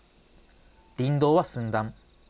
林道は寸断。